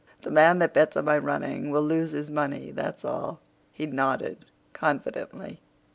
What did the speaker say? The man that bets on my running will lose his money, that's all." He nodded confidently.